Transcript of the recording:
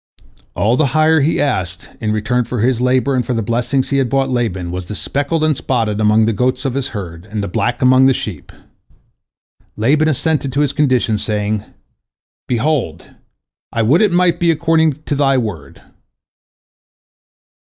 All the hire he asked in return for his labor and for the blessings he had brought Laban was the speckled and spotted among the goats of his herd, and the black among the sheep. Laban assented to his conditions, saying, "Behold, I would it might be according to thy word."